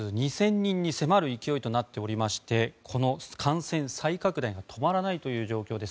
人に迫る勢いとなっていまして感染再拡大が止まらないという状況です。